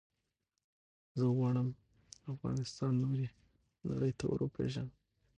زه غواړم افغانستان نورې نړی ته وروپېژنم.